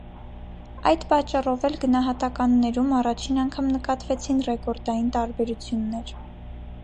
Այդ պատճառով էլ գնահատականներում առաջին անգամ նկատվեցին ռեկորդային տարբերություններ։